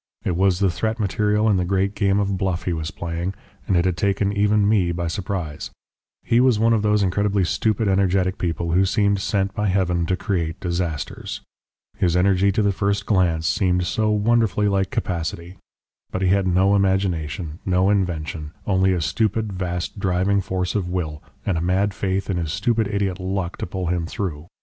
It was the threat material in the great game of bluff he was playing, and it had taken even me by surprise. He was one of those incredibly stupid energetic people who seem sent by Heaven to create disasters. His energy to the first glance seemed so wonderfully like capacity! But he had no imagination, no invention, only a stupid, vast, driving force of will, and a mad faith in his stupid idiot 'luck' to pull him through.